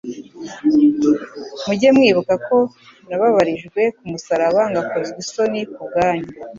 mujye mwibuka ko nabababarijwe ku musaraba, ngakozwa isoni ku bwanyu.